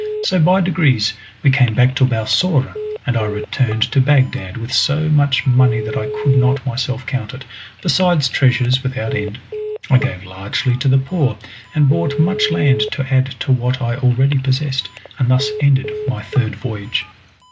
So by degrees we came back to Balsora, and I returned to Bagdad with so much money that I could not myself count it, besides treasures without end. I gave largely to the poor, and bought much land to add to what I already possessed, and thus ended my third voyage.